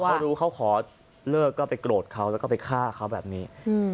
เขารู้เขาขอเลิกก็ไปโกรธเขาแล้วก็ไปฆ่าเขาแบบนี้